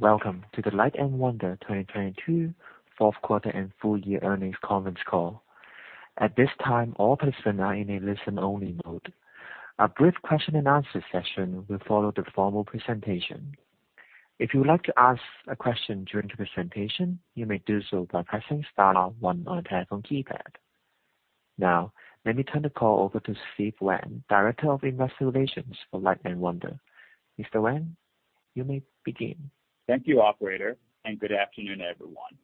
Welcome to the Light & Wonder 2022 Fourth Quarter and Full Year Earnings Conference Call. At this time, all participants are in a listen-only mode. A brief question-and-answer session will follow the formal presentation. If you would like to ask a question during the presentation, you may do so by pressing star one on your telephone keypad. Now, let me turn the call over to Steve Wan, Director of Investor Relations for Light & Wonder. Mr. Wan, you may begin. Thank you, operator. Good afternoon, everyone.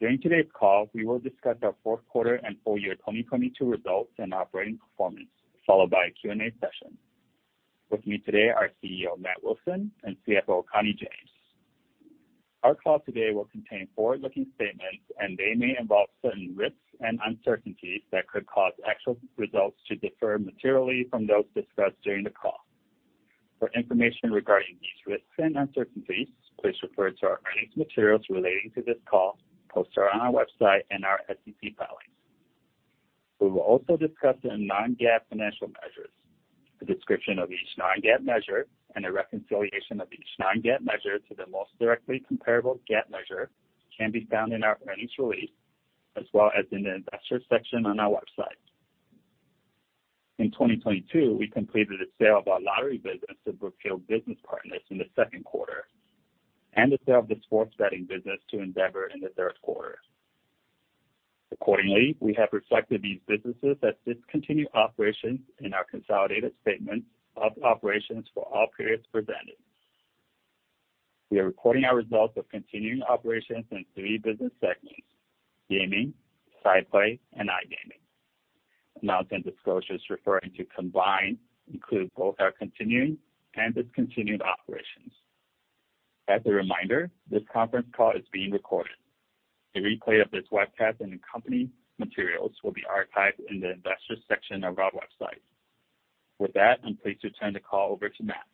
During today's call, we will discuss our fourth quarter and full year 2022 results and operating performance, followed by a Q&A session. With me today are CEO, Matt Wilson, and CFO, Connie James. Our call today will contain forward-looking statements. They may involve certain risks and uncertainties that could cause actual results to differ materially from those discussed during the call. For information regarding these risks and uncertainties, please refer to our earnings materials relating to this call posted on our website and our SEC filings. We will also discuss the non-GAAP financial measures. A description of each non-GAAP measure and a reconciliation of each non-GAAP measure to the most directly comparable GAAP measure can be found in our earnings release, as well as in the investor section on our website. In 2022, we completed a sale of our Lottery business to Brookfield Business Partners in the second quarter and the sale of the Sports Betting business to Endeavor in the third quarter. Accordingly, we have reflected these businesses as discontinued operations in our consolidated statement of operations for all periods presented. We are reporting our results of continuing operations in three business segments: Gaming, SciPlay, and iGaming. Amounts in disclosure is referring to combined include both our continuing and discontinued operations. As a reminder, this conference call is being recorded. A replay of this webcast and the company materials will be archived in the Investors section of our website. With that, I'm pleased to turn the call over to Matt.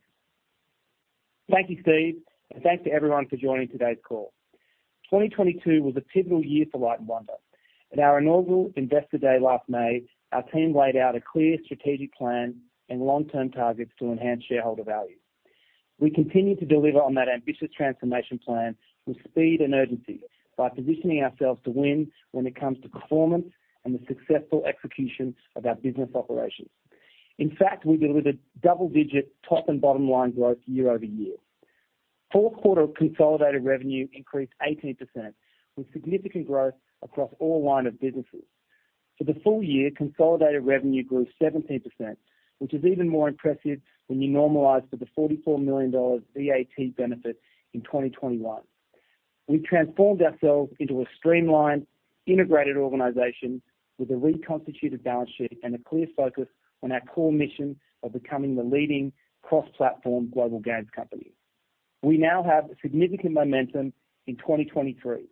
Thank you, Steve, and thanks to everyone for joining today's call. 2022 was a pivotal year for Light & Wonder. At our inaugural Investor Day last May, our team laid out a clear strategic plan and long-term targets to enhance shareholder value. We continue to deliver on that ambitious transformation plan with speed and urgency by positioning ourselves to win when it comes to performance and the successful execution of our business operations. In fact, we delivered double-digit top and bottom line growth year over year. Fourth quarter consolidated revenue increased 18% with significant growth across all line of businesses. For the full year, consolidated revenue grew 17%, which is even more impressive when you normalize for the $44 million VAT benefit in 2021. We transformed ourselves into a streamlined, integrated organization with a reconstituted balance sheet and a clear focus on our core mission of becoming the leading cross-platform global games company. We now have significant momentum in 2023,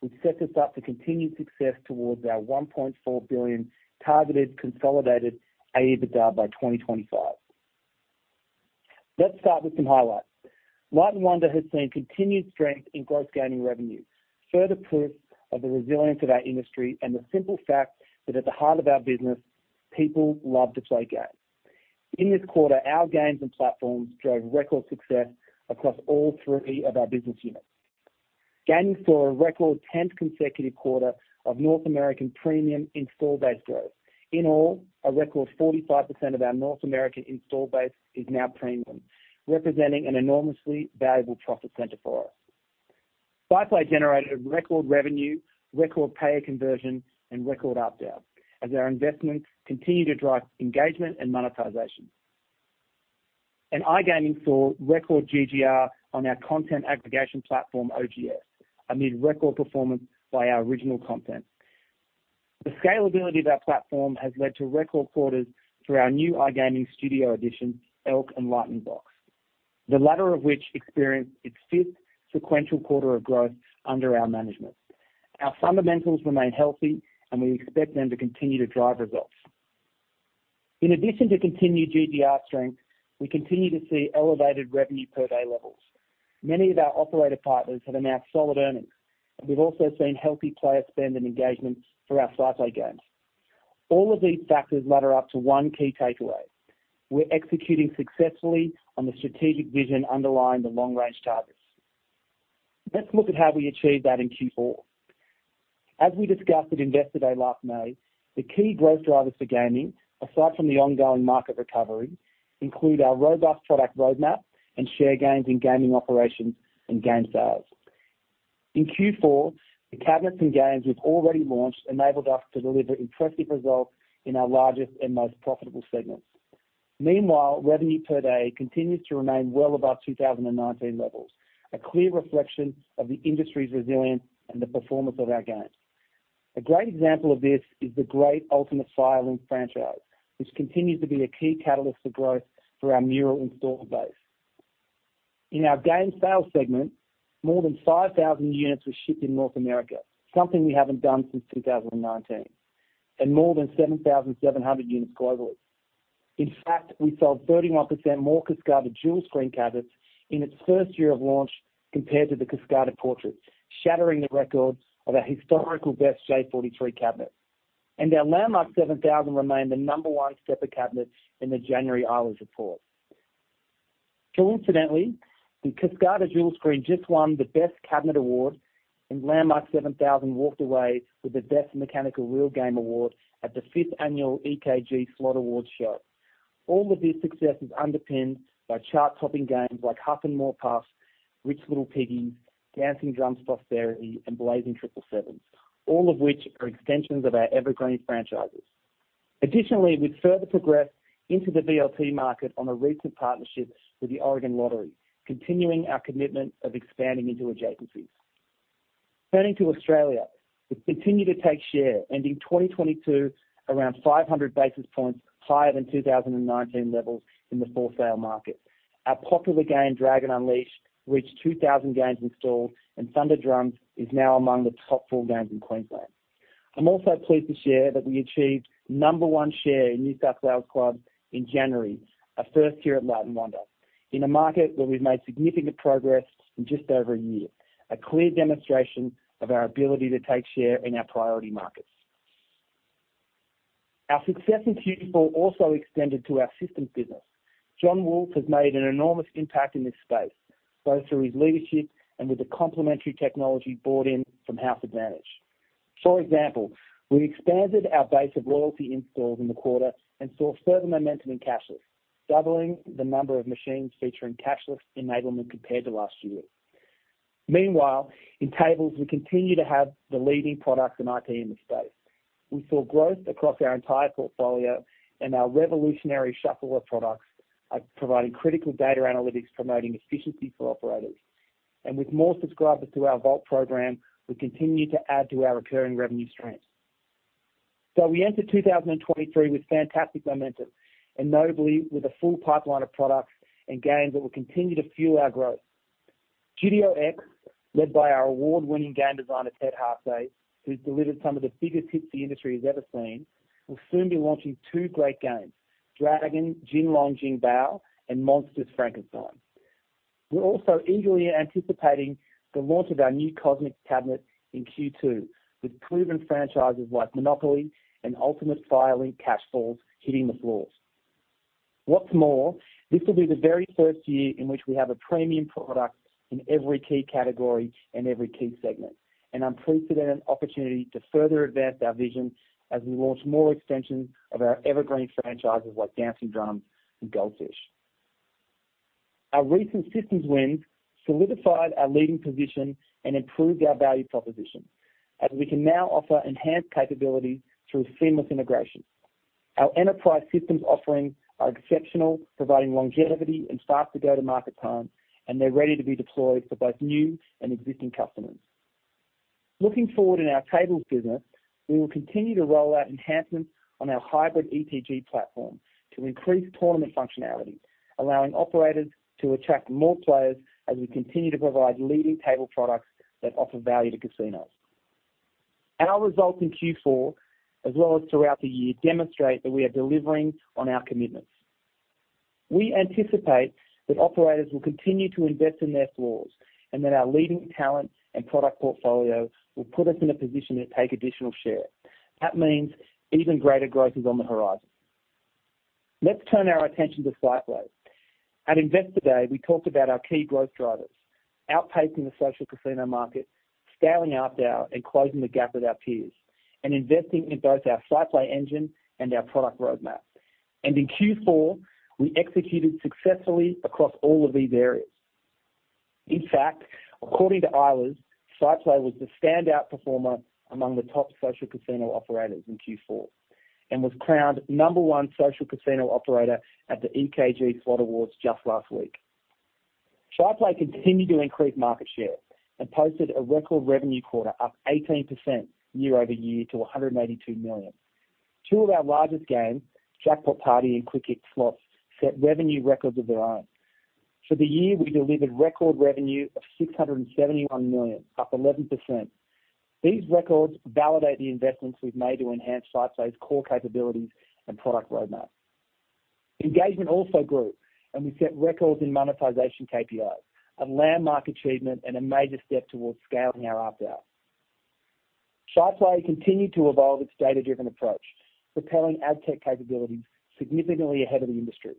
which sets us up for continued success towards our $1.4 billion targeted consolidated AEBITDA by 2025. Let's start with some highlights. Light & Wonder has seen continued strength in gross gaming revenue, further proof of the resilience of our industry and the simple fact that at the heart of our business, people love to play games. In this quarter, our games and platforms drove record success across all three of our business units. Gaming saw a record 10th consecutive quarter of North American premium install base growth. In all, a record 45% of our North American install base is now premium, representing an enormously valuable profit center for us. SciPlay generated record revenue, record payer conversion, and record ARPDAU as our investments continue to drive engagement and monetization. iGaming saw record GGR on our content aggregation platform, OGS, amid record performance by our original content. The scalability of our platform has led to record quarters through our new iGaming studio additions, ELK and Lightning Box. The latter of which experienced its fifth sequential quarter of growth under our management. Our fundamentals remain healthy, and we expect them to continue to drive results. In addition to continued GGR strength, we continue to see elevated revenue per day levels. Many of our operator partners have announced solid earnings, and we've also seen healthy player spend and engagement through our SciPlay games. All of these factors ladder up to one key takeaway. We're executing successfully on the strategic vision underlying the long-range targets. Let's look at how we achieved that in Q4. As we discussed at Investor Day last May, the key growth drivers for gaming, aside from the ongoing market recovery, include our robust product roadmap and share gains in Gaming Operations and Game Sales. in Q4, the cabinets and games we've already launched enabled us to deliver impressive results in our largest and most profitable segments. Meanwhile, revenue per day continues to remain well above 2019 levels, a clear reflection of the industry's resilience and the performance of our games. A great example of this is the great Ultimate Fire Link franchise, which continues to be a key catalyst for growth for our MURAL install base. In Game Sales segment, more than 5,000 units were shipped in North America, something we haven't done since 2019, and more than 7,700 units globally. In fact, we sold 31% more KASCADA Dual Screen cabinets in its first year of launch compared to the KASCADA Portrait, shattering the records of our historical best J43 cabinet. Our LANDMARK 7000 remained the number one stepper cabinet in the January Eilers report. Coincidentally, the KASCADA Dual Screen just won the Best Cabinet award and LANDMARK 7000 walked away with the Best Mechanical Reel Game award at the 5th Annual EKG Slot Awards show. All of this success is underpinned by chart-topping games like HUFF N’ MORE PUFF, DANCING DRUMS prosperity, and blazing 777, all of which are extensions of our evergreen franchises. Additionally, we've further progressed into the VLT market on a recent partnership with the Oregon Lottery, continuing our commitment of expanding into adjacencies. Turning to Australia, we've continued to take share, ending 2022 around 500 basis points higher than 2019 levels in the for-sale market. Our popular game, DRAGONS UNLEASHED, reached 2,000 games installed, and THUNDER DRUMS is now among the top four games in Queensland. I'm also pleased to share that we achieved number one share in New South Wales clubs in January, our first year at Light & Wonder, in a market where we've made significant progress in just over a year, a clear demonstration of our ability to take share in our priority markets. Our success in Q4 also extended to our systems business. Jon Wolfe has made an enormous impact in this space, both through his leadership and with the complementary technology brought in from House Advantage. For example, we expanded our base of loyalty installs in the quarter and saw further momentum in cashless, doubling the number of machines featuring cashless enablement compared to last year. Meanwhile, in tables, we continue to have the leading product and IP in the space. We saw growth across our entire portfolio, and our revolutionary Shuffler products are providing critical data analytics promoting efficiency for operators. With more subscribers to our Volt program, we continue to add to our recurring revenue streams. We enter 2023 with fantastic momentum and notably with a full pipeline of products and games that will continue to fuel our growth. GTO X, led by our award-winning game designer, Ted Hase, who's delivered some of the biggest hits the industry has ever seen, will soon be launching two great games, DRAGON - JIN LONG JIN BAO and MONSTERS - FRANKENSTEIN. We're also eagerly anticipating the launch of our new COSMIC cabinet in Q2, with proven franchises like MONOPOLY and Ultimate Fire Link Cash Falls hitting the floors. What's more, this will be the very first year in which we have a premium product in every key category and every key segment, an unprecedented opportunity to further advance our vision as we launch more extensions of our evergreen franchises like DANCING DRUMS and GOLD FISH. Our recent systems win solidified our leading position and improved our value proposition, as we can now offer enhanced capabilities through seamless integration. Our enterprise systems offerings are exceptional, providing longevity and faster go-to-market time. They're ready to be deployed for both new and existing customers. Looking forward in our tables business, we will continue to roll out enhancements on our hybrid EPG platform to increase tournament functionality, allowing operators to attract more players as we continue to provide leading table products that offer value to casinos. Our results in Q4, as well as throughout the year, demonstrate that we are delivering on our commitments. We anticipate that operators will continue to invest in their floors and that our leading talent and product portfolio will put us in a position to take additional share. That means even greater growth is on the horizon. Let's turn our attention to SciPlay. At Investor Day, we talked about our key growth drivers, outpacing the Social Casino market, scaling up and closing the gap with our peers, and investing in both our SciPlay engine and our product roadmap. In Q4, we executed successfully across all of these areas. In fact, according to Eilers, SciPlay was the standout performer among the top social casino operators in Q4 and was crowned number one social casino operator at the EKG Slot Awards just last week. SciPlay continued to increase market share and posted a record revenue quarter, up 18% year-over-year to $182 million. Two of our largest games, JACKPOT PARTY and QUICK HIT slots, set revenue records of their own. For the year, we delivered record revenue of $671 million, up 11%. These records validate the investments we've made to enhance SciPlay's core capabilities and product roadmap. Engagement also grew, and we set records in monetization KPIs, a landmark achievement and a major step towards scaling our ARPDAU. SciPlay continued to evolve its data-driven approach, propelling ad tech capabilities significantly ahead of the industry,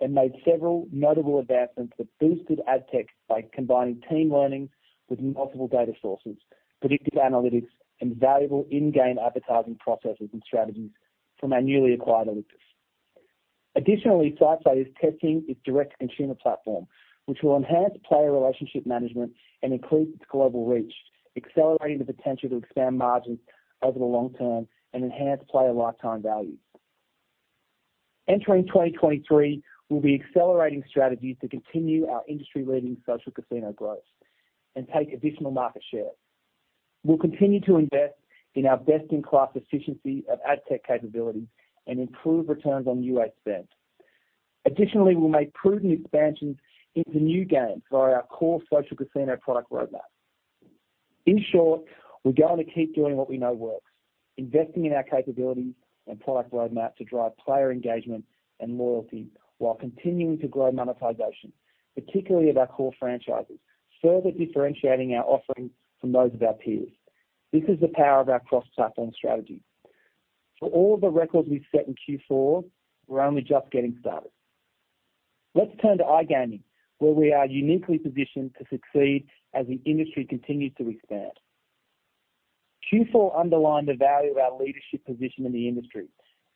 and made several notable advancements that boosted ad tech by combining team learning with multiple data sources, predictive analytics, and valuable in-game advertising processes and strategies from our newly acquired [Alictus]. Additionally, SciPlay is testing its direct-to-consumer platform, which will enhance player relationship management and increase its global reach, accelerating the potential to expand margins over the long term and enhance player lifetime values. Entering 2023, we'll be accelerating strategies to continue our industry-leading social casino growth and take additional market share. We'll continue to invest in our best-in-class efficiency of ad tech capability and improve returns on UA spend. We'll make prudent expansions into new games via our core social casino product roadmap. In short, we're going to keep doing what we know works, investing in our capabilities and product roadmap to drive player engagement and loyalty while continuing to grow monetization. Particularly of our core franchises, further differentiating our offerings from those of our peers. This is the power of our cross-platform strategy. For all the records we've set in Q4, we're only just getting started. Let's turn to iGaming, where we are uniquely positioned to succeed as the industry continues to expand. Q4 underlined the value of our leadership position in the industry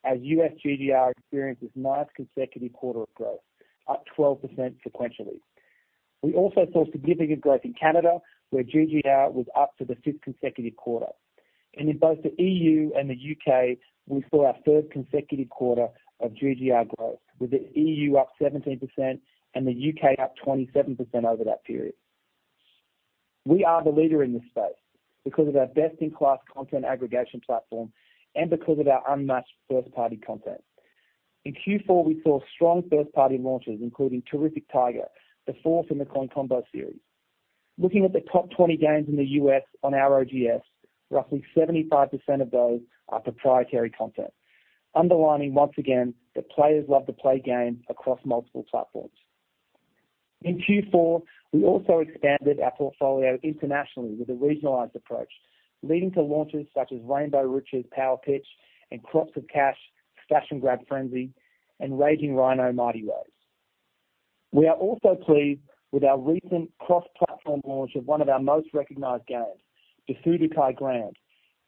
as U.S. GGR experienced its ninth consecutive quarter of growth, up 12% sequentially. We also saw significant growth in Canada, where GGR was up for the fifth consecutive quarter. In both the E.U. and the U.K., we saw our third consecutive quarter of GGR growth, with the E.U. up 17% and the U.K. up 27% over that period. We are the leader in this space because of our best-in-class content aggregation platform and because of our unmatched first-party content. In Q4, we saw strong first-party launches, including Terrific Tiger, the fourth in the Coin Combo series. Looking at the top 20 games in the U.S. on our OGS, roughly 75% of those are proprietary content, underlining once again that players love to play games across multiple platforms. In Q4, we also expanded our portfolio internationally with a regionalized approach, leading to launches such as RAINBOW RICHES, POWER PITCH and CROPS OF CASH, Stash & Grab Frenzy, and RAGING RHINO MIGHTY WAYS. We are also pleased with our recent cross-platform launch of one of our most recognized games, Duo Fu Duo Cai Grand,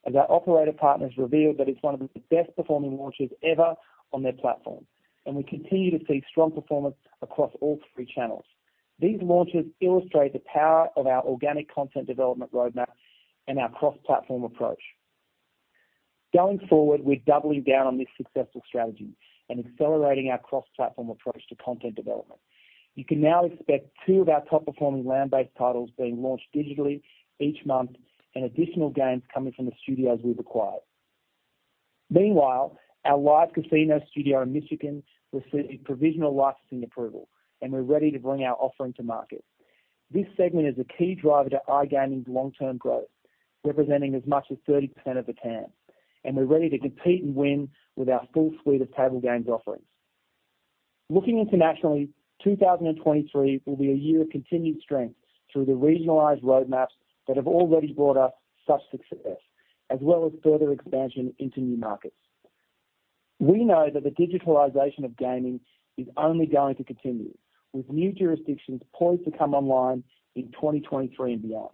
as our operator partners revealed that it's one of the best-performing launches ever on their platform, and we continue to see strong performance across all three channels. These launches illustrate the power of our organic content development roadmap and our cross-platform approach. Going forward, we're doubling down on this successful strategy and accelerating our cross-platform approach to content development. You can now expect two of our top-performing land-based titles being launched digitally each month and additional games coming from the studios we've acquired. Meanwhile, our live casino studio in Michigan received provisional licensing approval, and we're ready to bring our offering to market. This segment is a key driver to iGaming's long-term growth, representing as much as 30% of the TAM, and we're ready to compete and win with our full suite of table games offerings. Looking internationally, 2023 will be a year of continued strength through the regionalized roadmaps that have already brought us such success, as well as further expansion into new markets. We know that the digitalization of gaming is only going to continue, with new jurisdictions poised to come online in 2023 and beyond.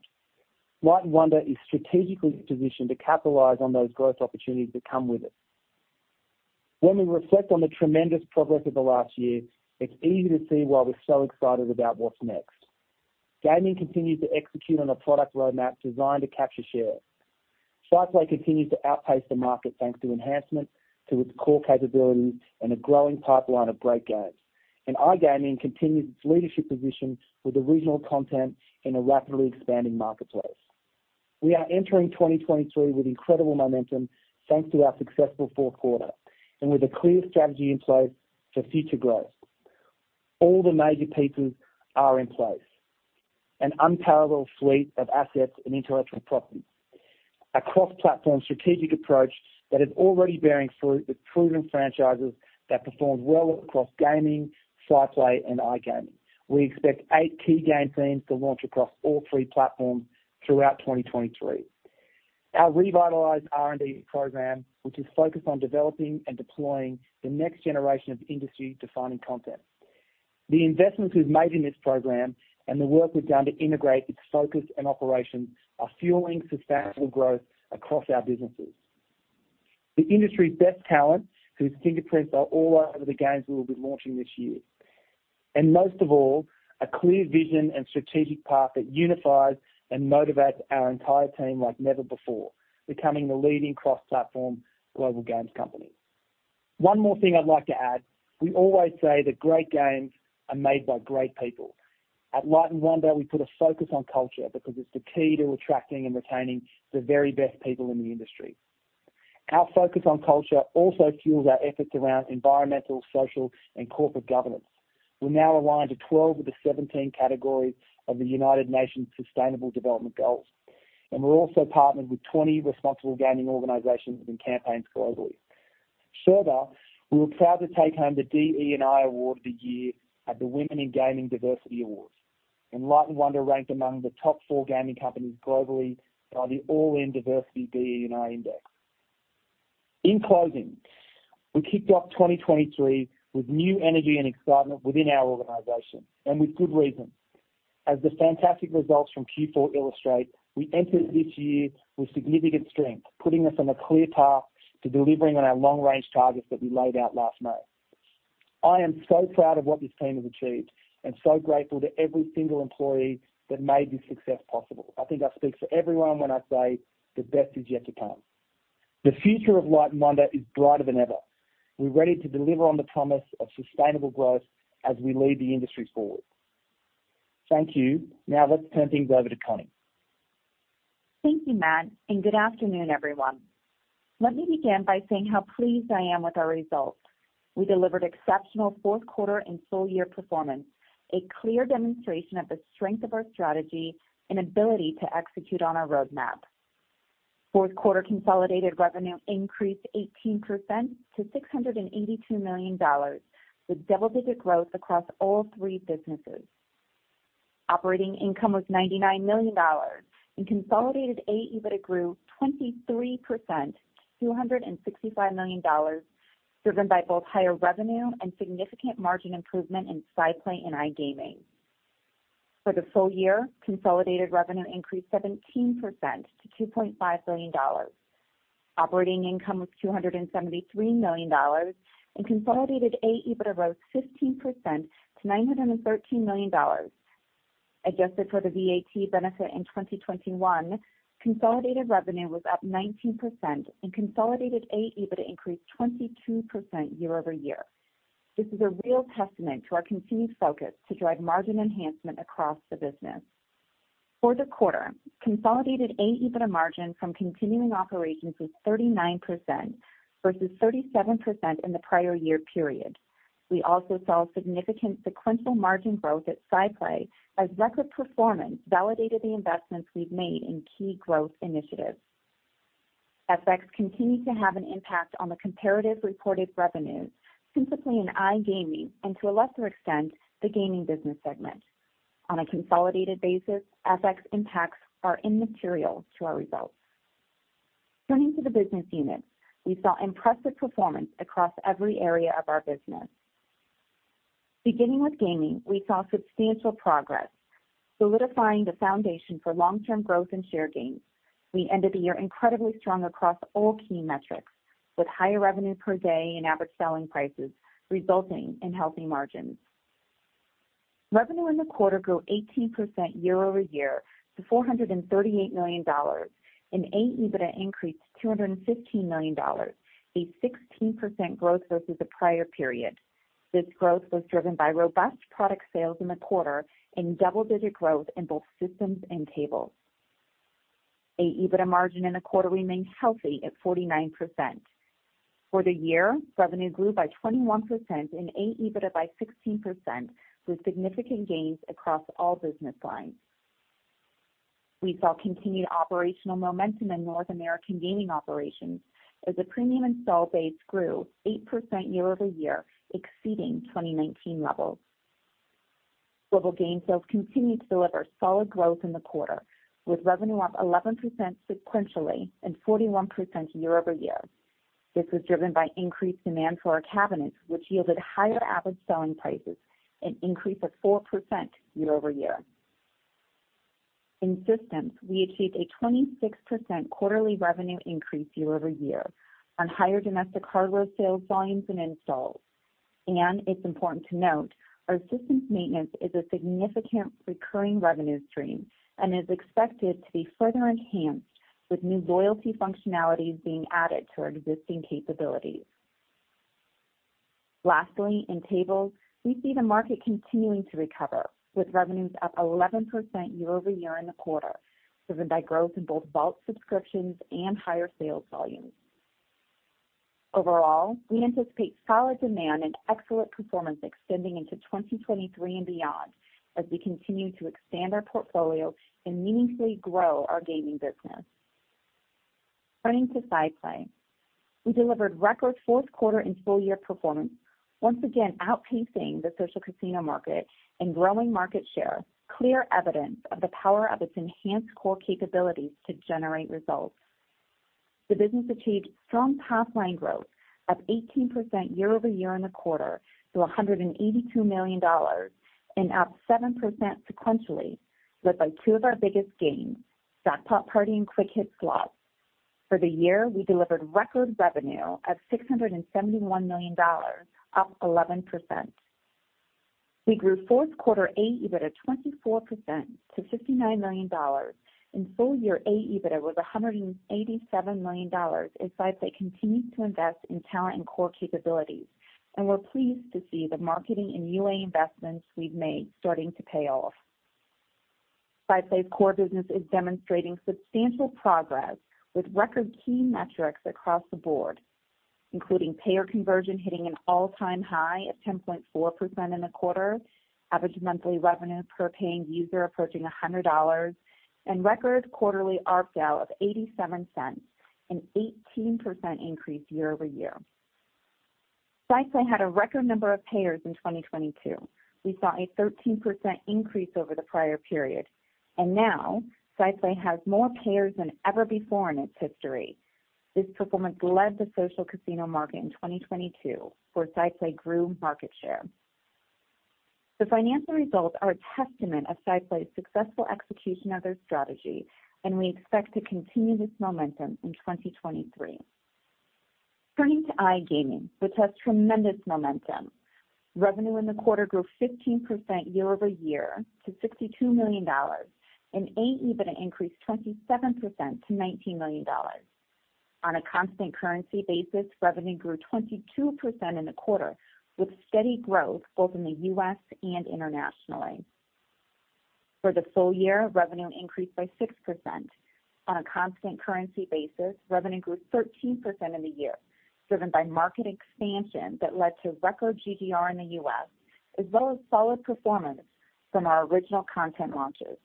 Light & Wonder is strategically positioned to capitalize on those growth opportunities that come with it. When we reflect on the tremendous progress of the last year, it's easy to see why we're so excited about what's next. Gaming continues to execute on a product roadmap designed to capture share. SciPlay continues to outpace the market, thanks to enhancements to its core capabilities and a growing pipeline of great games. iGaming continues its leadership position with original content in a rapidly expanding marketplace. We are entering 2023 with incredible momentum thanks to our successful fourth quarter and with a clear strategy in place for future growth. All the major pieces are in place. An unparalleled fleet of assets and intellectual property. A cross-platform strategic approach that is already bearing fruit with proven franchises that perform well across gaming, SciPlay, and iGaming. We expect eight key game themes to launch across all three platforms throughout 2023. Our revitalized R&D program, which is focused on developing and deploying the next generation of industry-defining content. The investments we've made in this program and the work we've done to integrate its focus and operations are fueling sustainable growth across our businesses. The industry's best talent, whose fingerprints are all over the games we'll be launching this year. Most of all, a clear vision and strategic path that unifies and motivates our entire team like never before, becoming the leading cross-platform global games company. One more thing I'd like to add. We always say that great games are made by great people. At Light & Wonder, we put a focus on culture because it's the key to attracting and retaining the very best people in the industry. Our focus on culture also fuels our efforts around environmental, social, and corporate governance. We're now aligned to 12 of the 17 categories of the United Nations Sustainable Development Goals, and we're also partnered with 20 responsible gaming organizations and campaigns globally. Further, we were proud to take home the DE&I Award of the Year at the Women in Gaming Diversity Awards, and Light & Wonder ranked among the top four gaming companies globally by the All-In Diversity DE&I Index. In closing, we kicked off 2023 with new energy and excitement within our organization, and with good reason. As the fantastic results from Q4 illustrate, we entered this year with significant strength, putting us on a clear path to delivering on our long-range targets that we laid out last May. I am so proud of what this team has achieved and so grateful to every single employee that made this success possible. I think I speak for everyone when I say the best is yet to come. The future of Light & Wonder is brighter than ever. We're ready to deliver on the promise of sustainable growth as we lead the industry forward. Thank you. Let's turn things over to Connie. Thank you, Matt, and good afternoon, everyone. Let me begin by saying how pleased I am with our results. We delivered exceptional fourth quarter and full-year performance, a clear demonstration of the strength of our strategy and ability to execute on our roadmap. Fourth quarter consolidated revenue increased 18% to $682 million, with double-digit growth across all three businesses. Operating income was $99 million and consolidated AEBITDA grew 23% to $265 million, driven by both higher revenue and significant margin improvement in SciPlay and iGaming. For the full year, consolidated revenue increased 17% to $2.5 billion. Operating income was $273 million and consolidated AEBITDA rose 15% to $913 million. Adjusted for the VAT benefit in 2021, consolidated revenue was up 19% and consolidated AEBITDA increased 22% year-over-year. This is a real testament to our continued focus to drive margin enhancement across the business. For the quarter, consolidated AEBITDA margin from continuing operations was 39% versus 37% in the prior year period. We also saw significant sequential margin growth at SciPlay as record performance validated the investments we've made in key growth initiatives. FX continued to have an impact on the comparative reported revenues, specifically in iGaming and to a lesser extent, the Gaming business segment. On a consolidated basis, FX impacts are immaterial to our results. Turning to the business units, we saw impressive performance across every area of our business. Beginning with gaming, we saw substantial progress, solidifying the foundation for long-term growth and share gains. We ended the year incredibly strong across all key metrics, with higher revenue per day and average selling prices resulting in healthy margins. Revenue in the quarter grew 18% year-over-year to $438 million and AEBITDA increased to $215 million, a 16% growth versus the prior period. This growth was driven by robust product sales in the quarter and double-digit growth in both systems and tables. AEBITDA margin in the quarter remained healthy at 49%. For the year, revenue grew by 21% and AEBITDA by 16%, with significant gains across all business lines. We saw continued operational momentum in North American Gaming Operations as the premium install base grew 8% year-over-year, exceeding 2019 levels. Game Sales continued to deliver solid growth in the quarter, with revenue up 11% sequentially and 41% year-over-year. This was driven by increased demand for our cabinets, which yielded higher average selling prices, an increase of 4% year-over-year. In systems, we achieved a 26% quarterly revenue increase year-over-year on higher domestic hardware sales volumes and installs. It's important to note, our systems maintenance is a significant recurring revenue stream and is expected to be further enhanced with new loyalty functionalities being added to our existing capabilities. Lastly, in tables, we see the market continuing to recover, with revenues up 11% year-over-year in the quarter, driven by growth in both vault subscriptions and higher sales volumes. Overall, we anticipate solid demand and excellent performance extending into 2023 and beyond as we continue to expand our portfolio and meaningfully grow our Gaming business. Turning to SciPlay. We delivered record fourth quarter and full-year performance, once again outpacing the Social Casino market and growing market share, clear evidence of the power of its enhanced core capabilities to generate results. The business achieved strong top-line growth, up 18% year-over-year in the quarter to $182 million and up 7% sequentially, led by two of our biggest games, JACKPOT PARTY and QUICK HIT Slots. For the year, we delivered record revenue of $671 million, up 11%. We grew fourth quarter AEBITDA 24% to $59 million and full-year AEBITDA was $187 million as SciPlay continues to invest in talent and core capabilities. We're pleased to see the marketing and UA investments we've made starting to pay off. SciPlay's core business is demonstrating substantial progress with record key metrics across the board, including payer conversion hitting an all-time high at 10.4% in the quarter, average monthly revenue per paying user approaching $100, and record quarterly ARPDAU of $0.87, an 18% increase year-over-year. SciPlay had a record number of payers in 2022. We saw a 13% increase over the prior period, and now SciPlay has more payers than ever before in its history. This performance led the Social Casino market in 2022, where SciPlay grew market share. The financial results are a testament of SciPlay's successful execution of their strategy, and we expect to continue this momentum in 2023. Turning to iGaming, which has tremendous momentum. Revenue in the quarter grew 15% year-over-year to $62 million, and AEBITDA increased 27% to $19 million. On a constant currency basis, revenue grew 22% in the quarter, with steady growth both in the U.S. and internationally. For the full year, revenue increased by 6%. On a constant currency basis, revenue grew 13% in the year. Driven by market expansion that led to record GGR in the U.S., as well as solid performance from our original content launches.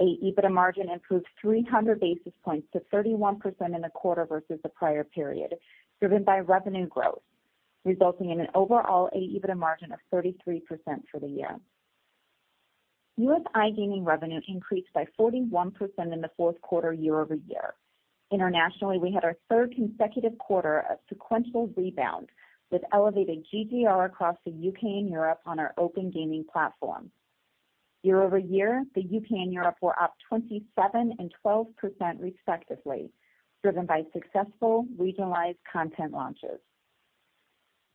AEBITDA margin improved 300 basis points to 31% in the quarter versus the prior period, driven by revenue growth, resulting in an overall AEBITDA margin of 33% for the year. U.S. iGaming revenue increased by 41% in the fourth quarter year-over-year. Internationally, we had our third consecutive quarter of sequential rebound with elevated GGR across the U.K. and Europe on our OpenGaming platform. Year-over-year, the U.K. and Europe were up 27% and 12% respectively, driven by successful regionalized content launches.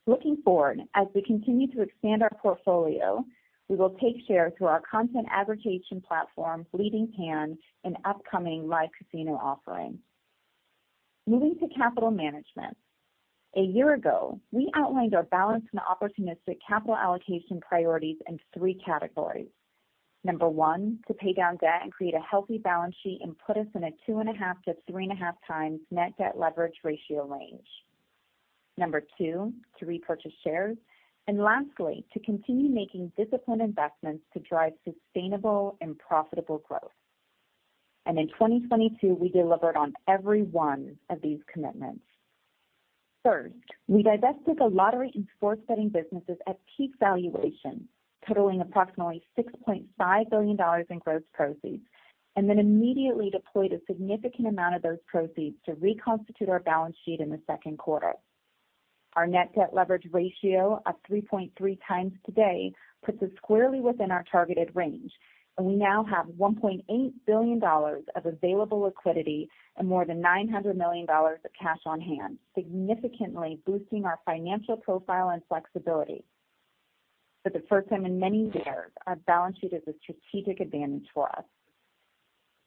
Looking forward, as we continue to expand our portfolio, we will take share through our content aggregation platform, Leading Hand, and upcoming live casino offerings. Moving to capital management. A year ago, we outlined our balanced and opportunistic capital allocation priorities in three categories. Number one, to pay down debt and create a healthy balance sheet and put us in a 2.5x-3.5x net debt leverage ratio range. Number two, to repurchase shares. Lastly, to continue making disciplined investments to drive sustainable and profitable growth. In 2022, we delivered on every one of these commitments. First, we divested the Lottery and Sports Betting businesses at peak valuation, totaling approximately $6.5 billion in gross proceeds. Then immediately deployed a significant amount of those proceeds to reconstitute our balance sheet in the second quarter. Our net debt leverage ratio of 3.3x today puts us squarely within our targeted range. We now have $1.8 billion of available liquidity and more than $900 million of cash on hand, significantly boosting our financial profile and flexibility. For the first time in many years, our balance sheet is a strategic advantage for us.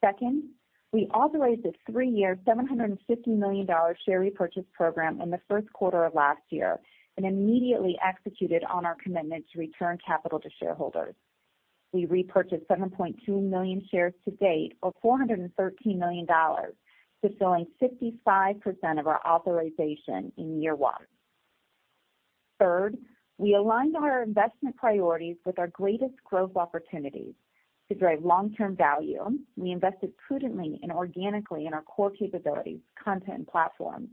Second, we authorized a three-year, $750 million share repurchase program in the first quarter of last year and immediately executed on our commitment to return capital to shareholders. We repurchased 7.2 million shares to date, or $413 million, fulfilling 55% of our authorization in year one. Third, we aligned our investment priorities with our greatest growth opportunities to drive long-term value. We invested prudently and organically in our core capabilities, content, and platform,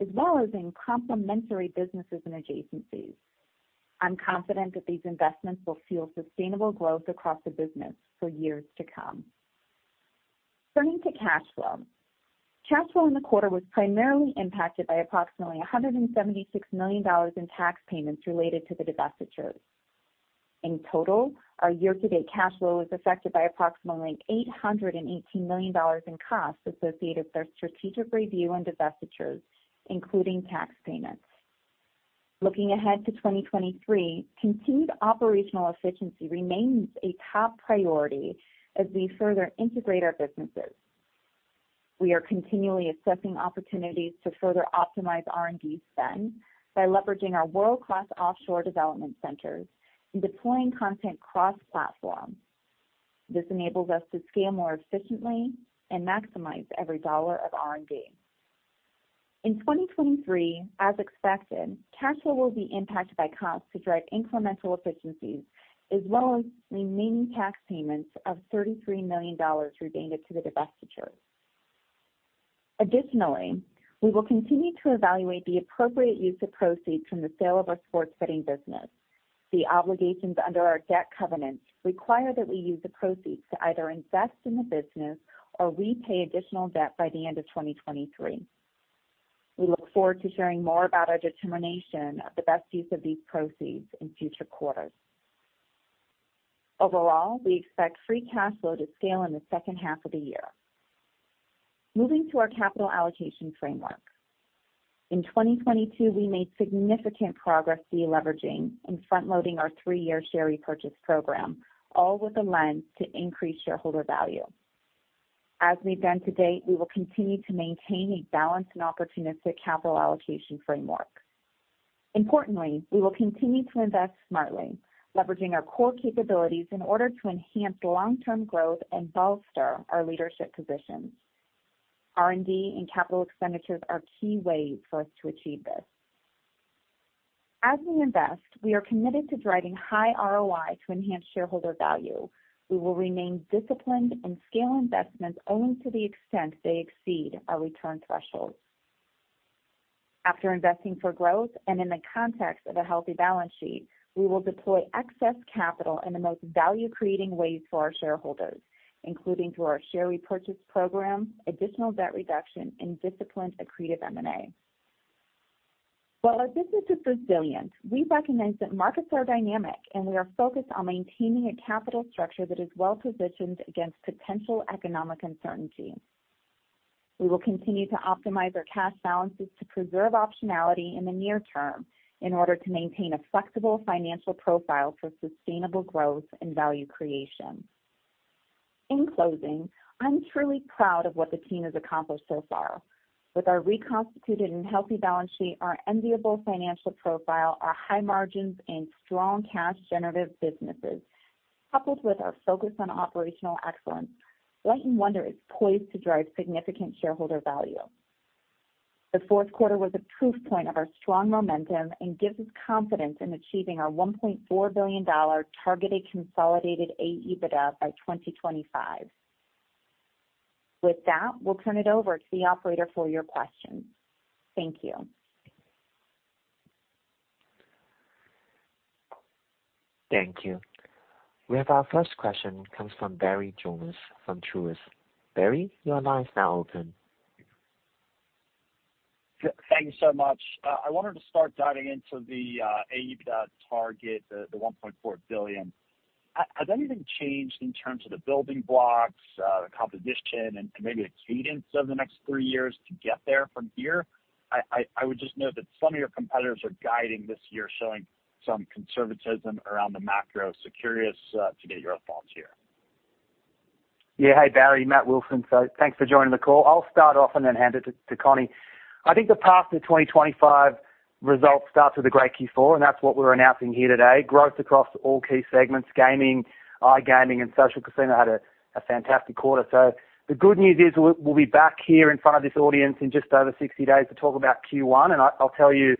as well as in complementary businesses and adjacencies. I'm confident that these investments will fuel sustainable growth across the business for years to come. Turning to cash flow. Cash flow in the quarter was primarily impacted by approximately $176 million in tax payments related to the divestitures. In total, our year-to-date cash flow was affected by approximately $818 million in costs associated with our strategic review and divestitures, including tax payments. Looking ahead to 2023, continued operational efficiency remains a top priority as we further integrate our businesses. We are continually assessing opportunities to further optimize R&D spend by leveraging our world-class offshore development centers and deploying content cross-platform. This enables us to scale more efficiently and maximize every dollar of R&D. In 2023, as expected, cash flow will be impacted by costs to drive incremental efficiencies as well as remaining tax payments of $33 million related to the divestitures. We will continue to evaluate the appropriate use of proceeds from the sale of our Sports Betting business. The obligations under our debt covenants require that we use the proceeds to either invest in the business or repay additional debt by the end of 2023. We look forward to sharing more about our determination of the best use of these proceeds in future quarters. We expect free cash flow to scale in the second half of the year. Moving to our capital allocation framework. In 2022, we made significant progress deleveraging and front-loading our three-year share repurchase program, all with a lens to increase shareholder value. As we've done to date, we will continue to maintain a balanced and opportunistic capital allocation framework. Importantly, we will continue to invest smartly, leveraging our core capabilities in order to enhance long-term growth and bolster our leadership positions. R&D and capital expenditures are key ways for us to achieve this. As we invest, we are committed to driving high ROI to enhance shareholder value. We will remain disciplined and scale investments only to the extent they exceed our return thresholds. After investing for growth and in the context of a healthy balance sheet, we will deploy excess capital in the most value-creating ways for our shareholders, including through our share repurchase program, additional debt reduction, and disciplined accretive M&A. While our business is resilient, we recognize that markets are dynamic, and we are focused on maintaining a capital structure that is well-positioned against potential economic uncertainty. We will continue to optimize our cash balances to preserve optionality in the near term in order to maintain a flexible financial profile for sustainable growth and value creation. In closing, I'm truly proud of what the team has accomplished so far. With our reconstituted and healthy balance sheet, our enviable financial profile, our high margins, and strong cash generative businesses, coupled with our focus on operational excellence, Light & Wonder is poised to drive significant shareholder value. The fourth quarter was a proof point of our strong momentum and gives us confidence in achieving our $1.4 billion targeted consolidated AEBITDA by 2025. With that, we'll turn it over to the operator for your questions. Thank you. Thank you. We have our first question comes from Barry Jonas from Truist. Barry, your line is now open. Thank you so much. I wanted to start diving into the AEBITDA target, the $1.4 billion. Has anything changed in terms of the building blocks, the composition and maybe the cadence over the next three years to get there from here? I would just note that some of your competitors are guiding this year showing some conservatism around the macro, curious to get your thoughts here. Hi, Barry. Matt Wilson. Thanks for joining the call. I'll start off and then hand it to Connie. I think the path to 2025 results starts with a great Q4, that's what we're announcing here today. Growth across all key segments, Gaming, iGaming and Social Casino had a fantastic quarter. The good news is we'll be back here in front of this audience in just over 60 days to talk about Q1, I'll tell you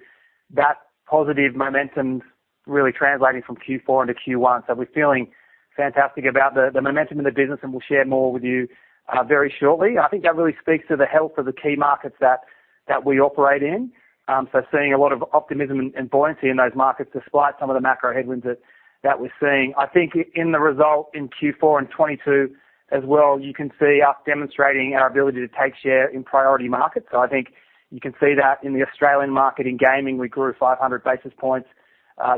that positive momentum really translating from Q4 into Q1. We're feeling fantastic about the momentum of the business, we'll share more with you very shortly. I think that really speaks to the health of the key markets that we operate in. Seeing a lot of optimism and buoyancy in those markets despite some of the macro headwinds that we're seeing. I think in the result in Q4 2022 as well, you can see us demonstrating our ability to take share in priority markets. I think you can see that in the Australian market in gaming, we grew 500 basis points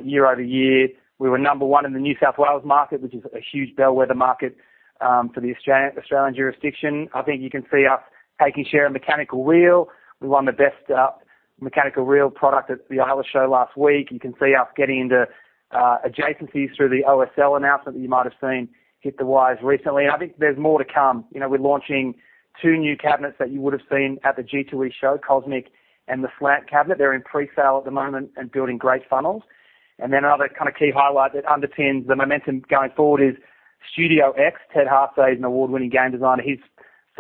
year-over-year. We were number one in the New South Wales market, which is a huge bellwether market for the Australian jurisdiction. I think you can see us taking share in mechanical wheel. We won the best mechanical wheel product at the IAGA Show last week. You can see us getting into adjacencies through the OSL announcement that you might have seen hit the wires recently. I think there's more to come. You know, we're launching two new cabinets that you would have seen at the G2E Show, COSMIC and the Slant cabinet. They're in presale at the moment and building great funnels. Then another kind of key highlight that underpins the momentum going forward is Studio X. Ted Hase is an award-winning game designer. His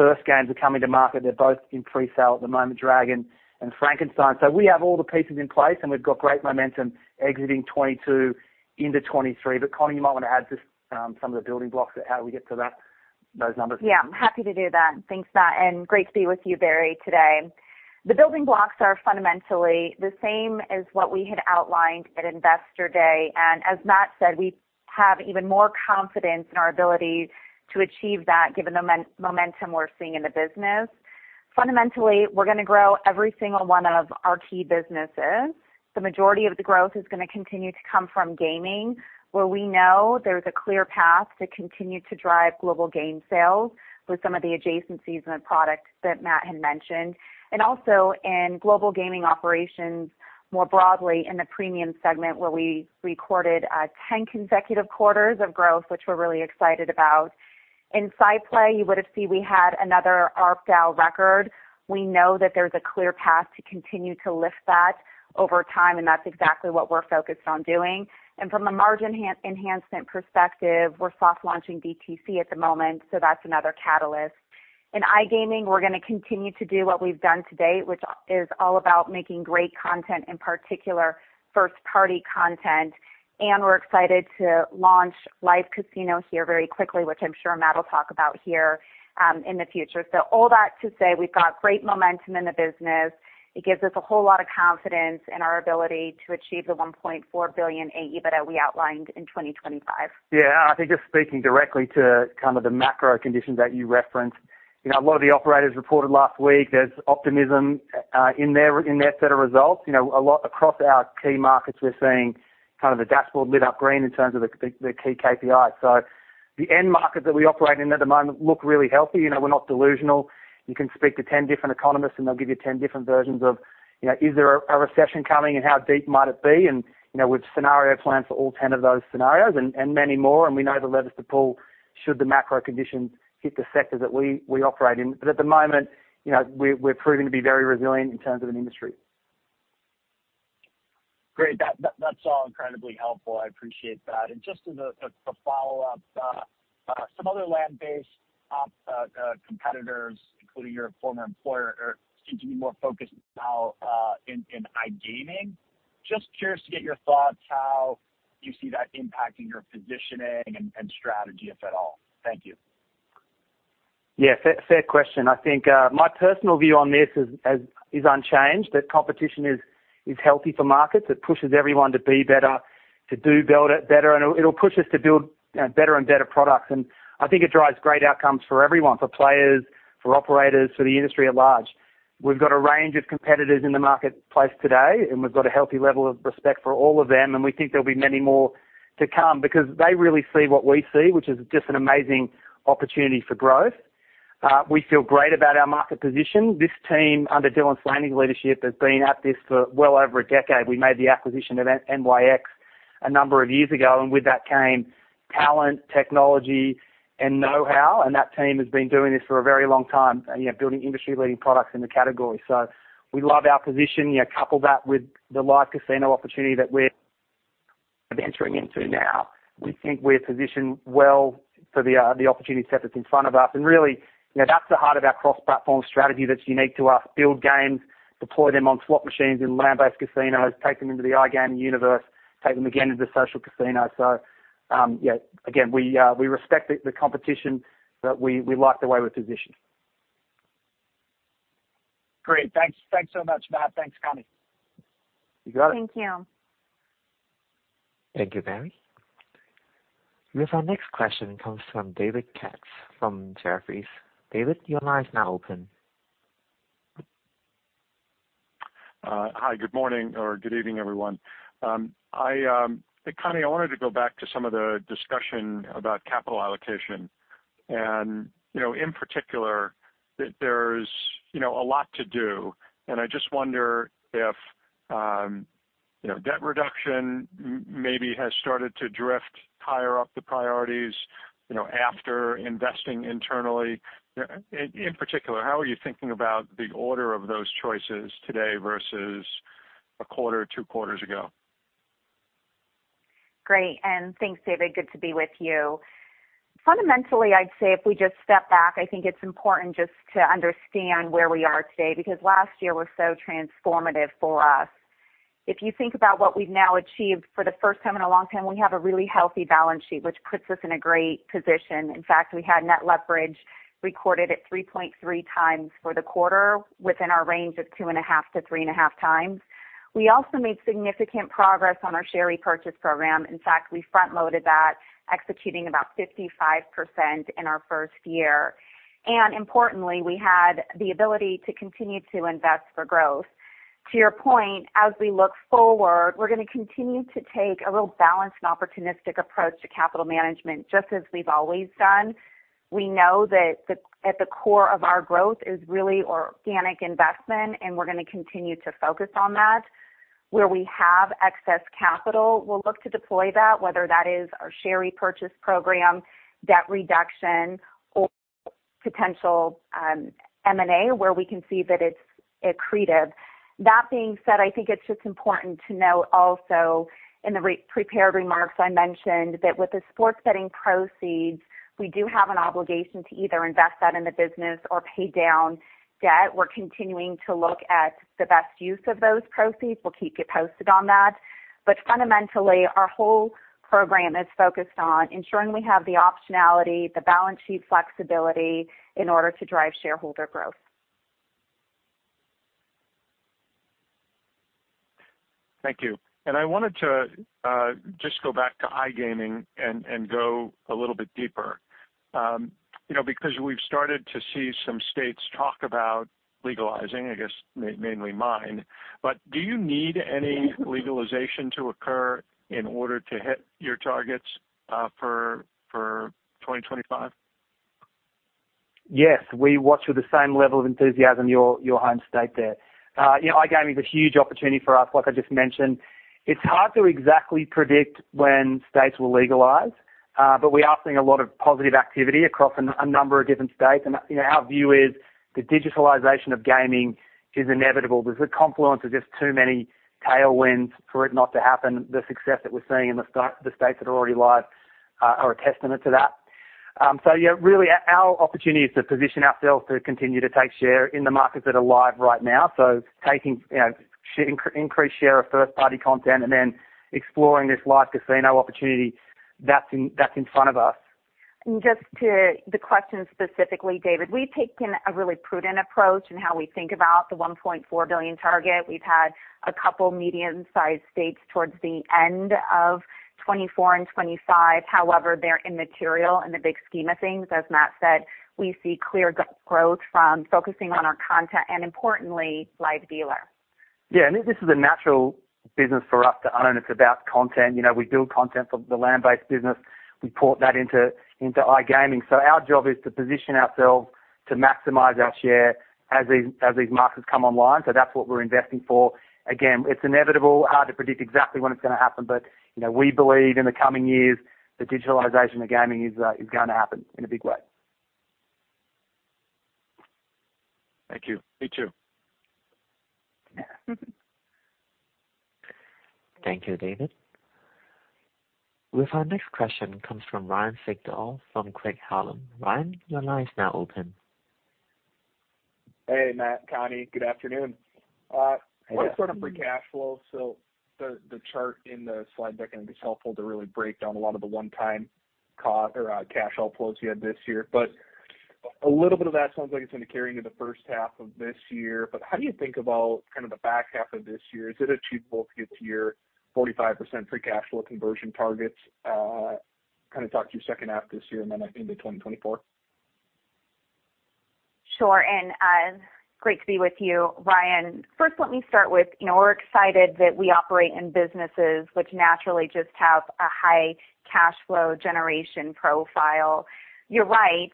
first games are coming to market. They're both in presale at the moment, DRAGON and FRANKENSTEIN. We have all the pieces in place, and we've got great momentum exiting 22 into 23. Connie, you might wanna add just some of the building blocks of how we get to that, those numbers. Yeah, happy to do that. Thanks, Matt, great to be with you, Barry, today. The building blocks are fundamentally the same as what we had outlined at Investor Day. As Matt said, we have even more confidence in our ability to achieve that given the momentum we're seeing in the business. Fundamentally, we're gonna grow every single one of our key businesses. The majority of the growth is gonna continue to come from Gaming, where we know there's a clear path to continue to drive Game Sales with some of the adjacencies and the products that Matt had mentioned. Also in global Gaming Operations, more broadly in the premium segment, where we recorded 10 consecutive quarters of growth, which we're really excited about. In SciPlay, you would have seen we had another ARPDAU record. We know that there's a clear path to continue to lift that over time, and that's exactly what we're focused on doing. From a margin enhancement perspective, we're soft launching DTC at the moment, so that's another catalyst. In iGaming, we're gonna continue to do what we've done to date, which is all about making great content, in particular first-party content. We're excited to launch live casino here very quickly, which I'm sure Matt will talk about here, in the future. All that to say, we've got great momentum in the business. It gives us a whole lot of confidence in our ability to achieve the $1.4 billion AEBITDA we outlined in 2025. I think just speaking directly to kind of the macro conditions that you referenced, you know, a lot of the operators reported last week, there's optimism in their set of results. You know, a lot across our key markets, we're seeing kind of the dashboard lit up green in terms of the key KPI. The end market that we operate in at the moment look really healthy. You know, we're not delusional. You can speak to 10 different economists, and they'll give you 10 different versions of, you know, is there a recession coming and how deep might it be? You know, we've scenario planned for all 10 of those scenarios and many more, and we know the levers to pull should the macro conditions hit the sector that we operate in. At the moment, you know, we're proving to be very resilient in terms of an industry. Great. That's all incredibly helpful. I appreciate that. Just as a follow-up, some other land-based op competitors, including your former employer, are seem to be more focused now in iGaming. Just curious to get your thoughts how you see that impacting your positioning and strategy, if at all? Thank you. Yeah, fair question. I think, my personal view on this is unchanged, that competition is healthy for markets. It pushes everyone to be better, to do better, and it'll push us to build better and better products. I think it drives great outcomes for everyone, for players, for operators, for the industry at large. We've got a range of competitors in the marketplace today, and we've got a healthy level of respect for all of them, and we think there'll be many more to come because they really see what we see, which is just an amazing opportunity for growth. We feel great about our market position. This team, under Dylan Slaney's leadership, has been at this for well over a decade. We made the acquisition of NYX a number of years ago. With that came talent, technology, and know-how. That team has been doing this for a very long time and, you know, building industry-leading products in the category. We love our position. You couple that with the live casino opportunity that we're entering into now. We think we're positioned well for the opportunity set that's in front of us. Really, you know, that's the heart of our cross-platform strategy that's unique to us. Build games, deploy them on slot machines in land-based casinos, take them into the iGaming universe, take them again into social casino. Yeah, again, we respect the competition, but we like the way we're positioned. Great. Thanks so much, Matt. Thanks, Connie. You got it. Thank you. Thank you, Mary. With our next question comes from David Katz from Jefferies. David, your line is now open. Hi. Good morning or good evening, everyone. I, Connie, I wanted to go back to some of the discussion about capital allocation. You know, in particular that there's, you know, a lot to do, and I just wonder if, you know, debt reduction maybe has started to drift higher up the priorities, you know, after investing internally. In particular, how are you thinking about the order of those choices today versus a quarter or two quarters ago? Great. Thanks, David. Good to be with you. Fundamentally, I'd say if we just step back, I think it's important just to understand where we are today, because last year was so transformative for us. If you think about what we've now achieved for the first time in a long time, we have a really healthy balance sheet, which puts us in a great position. In fact, we had net leverage recorded at 3.3x for the quarter within our range of 2.5x-3.5x. We also made significant progress on our share repurchase program. In fact, we front-loaded that, executing about 55% in our first year. Importantly, we had the ability to continue to invest for growth. To your point, as we look forward, we're gonna continue to take a real balanced and opportunistic approach to capital management, just as we've always done. We know that at the core of our growth is really organic investment, and we're gonna continue to focus on that. Where we have excess capital, we'll look to deploy that, whether that is our share repurchase program, debt reduction or potential M&A, where we can see that it's accretive. That being said, I think it's just important to note also in the prepared remarks, I mentioned that with the Sports Betting proceeds, we do have an obligation to either invest that in the business or pay down debt. We're continuing to look at the best use of those proceeds. We'll keep you posted on that. Fundamentally, our whole program is focused on ensuring we have the optionality, the balance sheet flexibility in order to drive shareholder growth. Thank you. I wanted to just go back to iGaming and go a little bit deeper. Because we've started to see some states talk about legalizing, I guess, mainly mine, do you need any legalization to occur in order to hit your targets for 2025? Yes. We watch with the same level of enthusiasm your home state there. You know, iGaming is a huge opportunity for us, like I just mentioned. It's hard to exactly predict when states will legalize, but we are seeing a lot of positive activity across a number of different states. You know, our view is the digitalization of gaming is inevitable. There's a confluence of just too many tailwinds for it not to happen. The success that we're seeing in the states that are already live are a testament to that. Yeah, really our opportunity is to position ourselves to continue to take share in the markets that are live right now. Taking, you know, increased share of first-party content and then exploring this live casino opportunity that's in, that's in front of us. Just to the question specifically, David, we've taken a really prudent approach in how we think about the $1.4 billion target. We've had a couple medium-sized states towards the end of 2024 and 2025. However, they're immaterial in the big scheme of things. As Matt said, we see clear growth from focusing on our content and importantly, live dealer. Yeah. This is a natural business for us to own. It's about content. You know, we build content for the land-based business. We port that into iGaming. Our job is to position ourselves to maximize our share as these markets come online. That's what we're investing for. Again, it's inevitable, hard to predict exactly when it's gonna happen, but, you know, we believe in the coming years, the digitalization of gaming is gonna happen in a big way. Thank you. Me too. Thank you, David. With our next question comes from Ryan Sigdahl from Craig-Hallum. Ryan, your line is now open. Hey, Matt, Connie. Good afternoon. Hey, Ryan. I want to start on free cash flow. The chart in the slide deck, I think it's helpful to really break down a lot of the one-time cash outflows you had this year. A little bit of that sounds like it's going to carry into the first half of this year. How do you think about kind of the back half of this year? Is it achievable to get to your 45% free cash flow conversion targets? kind of talk to your second half this year and then into 2024. Sure. great to be with you, Ryan. First, let me start with, you know, we're excited that we operate in businesses which naturally just have a high cash flow generation profile. You're right.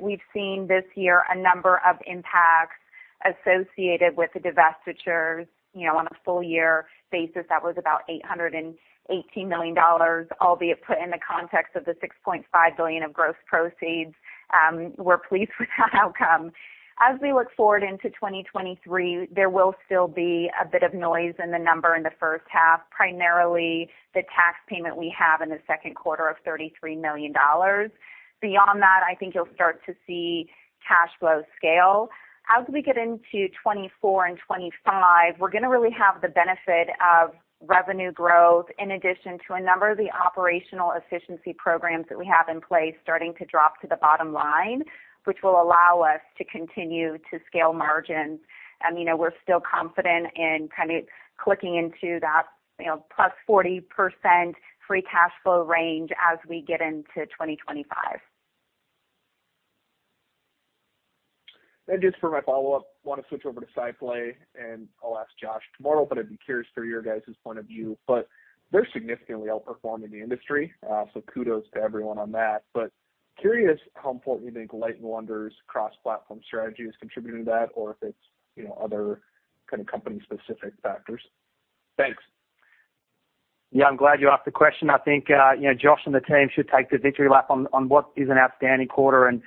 we've seen this year a number of impacts associated with the divestitures, you know, on a full year basis, that was about $818 million, albeit put in the context of the $6.5 billion of gross proceeds, we're pleased with that outcome. As we look forward into 2023, there will still be a bit of noise in the number in the first half, primarily the tax payment we have in the second quarter of $33 million. Beyond that, I think you'll start to see cash flow scale. As we get into 2024 and 2025, we're gonna really have the benefit of revenue growth in addition to a number of the operational efficiency programs that we have in place starting to drop to the bottom line, which will allow us to continue to scale margin. I mean, we're still confident in kind of clicking into that, you know, +40% free cash flow range as we get into 2025. Just for my follow-up, I want to switch over to SciPlay, and I'll ask Josh tomorrow, but I'd be curious for your guys' point of view. They're significantly outperforming the industry, so kudos to everyone on that. Curious how important you think Light & Wonder's cross-platform strategy is contributing to that or if it's, you know, other kind of company-specific factors. Thanks. Yeah, I'm glad you asked the question. I think, you know, Josh and the team should take the victory lap on what is an outstanding quarter and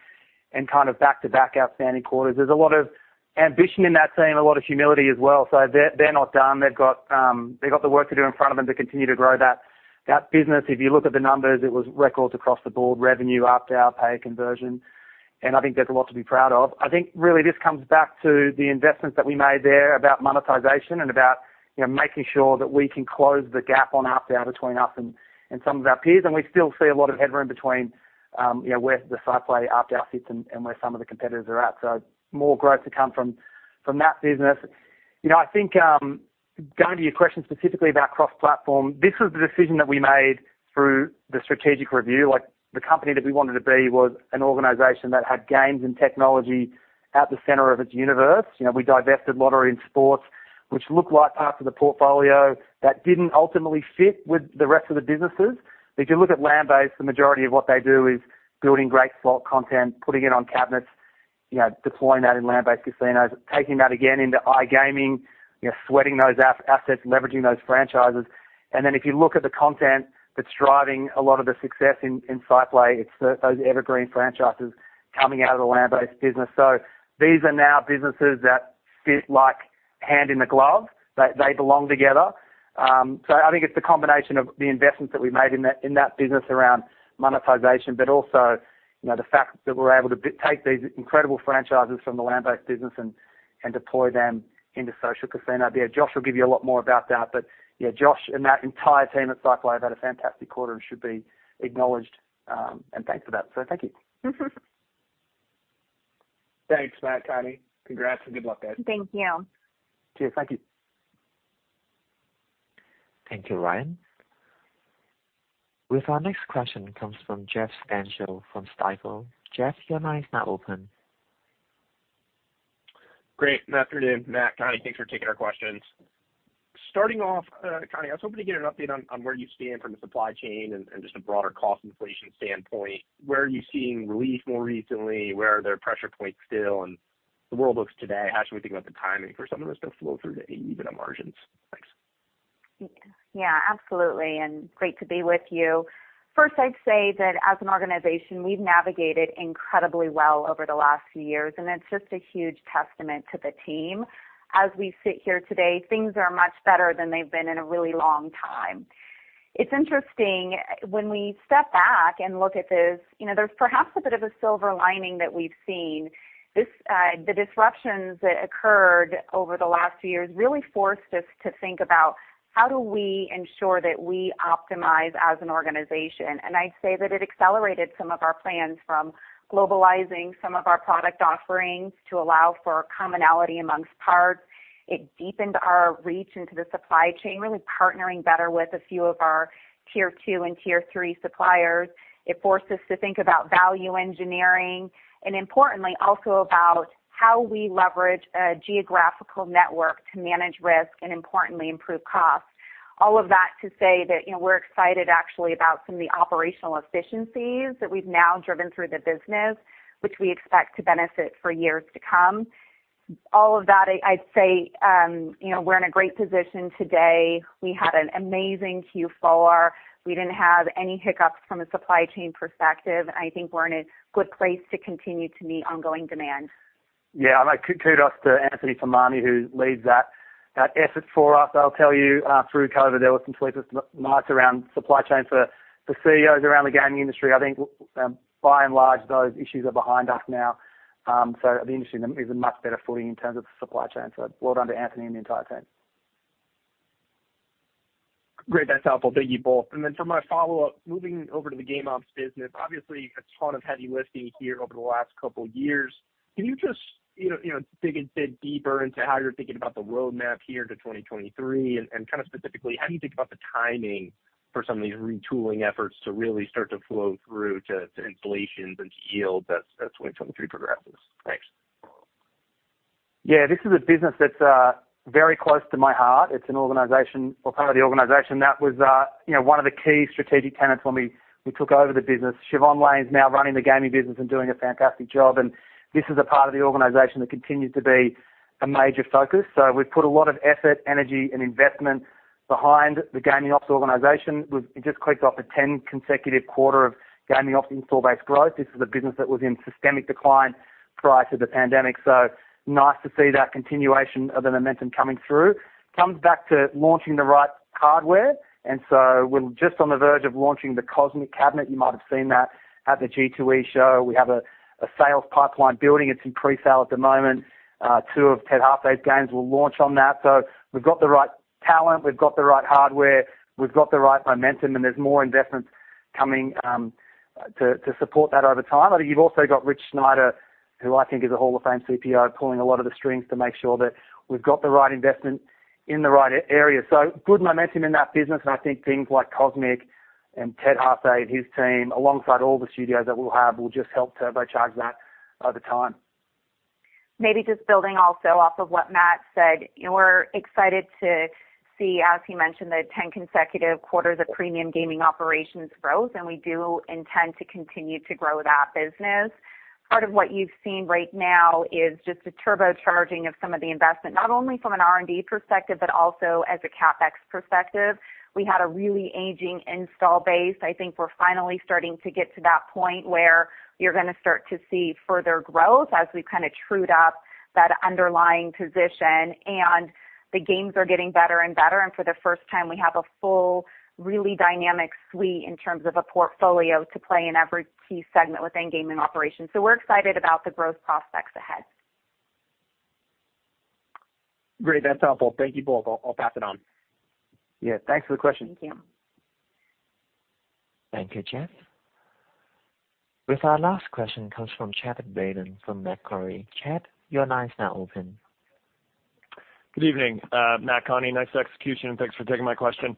kind of back-to-back outstanding quarters. There's a lot of ambition in that team, a lot of humility as well. They're not done. They've got the work to do in front of them to continue to grow that business. If you look at the numbers, it was records across the board, revenue, ARPDAU, conversion. I think there's a lot to be proud of. I think really this comes back to the investments that we made there about monetization and about, you know, making sure that we can close the gap on ARPDAU between us and some of our peers. We still see a lot of headroom between, you know, where the SciPlay ARPDAU sits and where some of the competitors are at. More growth to come from that business. You know, I think, going to your question specifically about cross-platform, this was the decision that we made through the strategic review. Like, the company that we wanted to be was an organization that had games and technology at the center of its universe. You know, we divested lottery and sports, which looked like parts of the portfolio that didn't ultimately fit with the rest of the businesses. If you look at land-based, the majority of what they do is building great slot content, putting it on cabinets, you know, deploying that in land-based casinos, taking that again into iGaming, you know, sweating those assets, leveraging those franchises. If you look at the content that's driving a lot of the success in SciPlay, it's those evergreen franchises coming out of the land-based business. These are now businesses that fit like hand in the glove. They belong together. I think it's the combination of the investments that we made in that business around monetization, but also, you know, the fact that we're able to take these incredible franchises from the land-based business and deploy them into social casino. Yeah, Josh will give you a lot more about that. Yeah, Josh and that entire team at SciPlay have had a fantastic quarter and should be acknowledged, and thanks for that. Thank you. Thanks, Matt, Connie. Congrats and good luck, guys. Thank you. Cheers. Thank you. Thank you, Ryan. With our next question comes from Jeff Stantial from Stifel. Jeff, your line is now open. Great. Good afternoon, Matt, Connie. Thanks for taking our questions. Starting off, Connie, I was hoping to get an update on where you stand from the supply chain and just a broader cost inflation standpoint. Where are you seeing relief more recently? Where there are pressure points still? The world looks today, how should we think about the timing for some of this to flow through to AEBITDA margins? Thanks. Yeah, absolutely. Great to be with you. First, I'd say that as an organization, we've navigated incredibly well over the last few years, and it's just a huge testament to the team. As we sit here today, things are much better than they've been in a really long time. It's interesting. When we step back and look at this, you know, there's perhaps a bit of a silver lining that we've seen. This, the disruptions that occurred over the last few years really forced us to think about how do we ensure that we optimize as an organization. I say that it accelerated some of our plans from globalizing some of our product offerings to allow for commonality amongst parts. It deepened our reach into the supply chain, really partnering better with a few of our Tier 2 and Tier 3 suppliers. It forced us to think about value engineering and importantly, also about how we leverage a geographical network to manage risk and importantly improve costs. All of that to say that, you know, we're excited actually about some of the operational efficiencies that we've now driven through the business, which we expect to benefit for years to come. All of that, I'd say, you know, we're in a great position today. We had an amazing Q4. We didn't have any hiccups from a supply chain perspective, and I think we're in a good place to continue to meet ongoing demand. Kudos to Anthony Zamani, who leads that effort for us. I'll tell you, through COVID, there were some sleepless nights around supply chain for CEOs around the gaming industry. I think, by and large, those issues are behind us now. The industry is in much better footing in terms of supply chain. Well done to Anthony and the entire team. Great. That's helpful. Thank you both. Then for my follow-up, moving over to the Game Ops business, obviously a ton of heavy lifting here over the last couple years. Can you just, you know, dig a bit deeper into how you're thinking about the roadmap here to 2023 and kind of specifically, how do you think about the timing for some of these retooling efforts to really start to flow through to installations and to yield as 2023 progresses? Thanks. Yeah. This is a business that's very close to my heart. It's an organization or part of the organization that was, you know, one of the key strategic tenets when we took over the business. Siobhan Lane is now running the Gaming business and doing a fantastic job. This is a part of the organization that continues to be a major focus. We've put a lot of effort, energy and investment behind the gaming ops organization. We've just clicked off a 10 consecutive quarter of gaming ops install base growth. This is a business that was in systemic decline prior to the pandemic. Nice to see that continuation of the momentum coming through. Comes back to launching the right hardware. We're just on the verge of launching the COSMIC cabinet. You might have seen that at the G2E show. We have a sales pipeline building. It's in presale at the moment. Two of Ted Hase's games will launch on that. We've got the right talent, we've got the right hardware, we've got the right momentum, and there's more investments coming to support that over time. You've also got Rich Schneider, who I think is a hall of fame CPO, pulling a lot of the strings to make sure that we've got the right investment in the right area. Good momentum in that business. I think things like COSMIC and Ted Hase and his team, alongside all the studios that we'll have, will just help turbocharge that over time. Maybe just building also off of what Matt said. We're excited to see, as he mentioned, the 10 consecutive quarters of premium Gaming Operations growth. We do intend to continue to grow that business. Part of what you've seen right now is just a turbocharging of some of the investment, not only from an R&D perspective, but also as a CapEx perspective. We had a really aging install base. I think we're finally starting to get to that point where you're gonna start to see further growth as we've kind of trued up that underlying position. The games are getting better and better. For the first time, we have a full, really dynamic suite in terms of a portfolio to play in every key segment within Gaming Operations. We're excited about the growth prospects ahead. Great. That's helpful. Thank you both. I'll pass it on. Yeah, thanks for the question. Thank you. Thank you, Jeff. With our last question comes from Chad Beynon from Macquarie. Chad, your line is now open. Good evening, Matt, Connie. Nice execution, thanks for taking my question.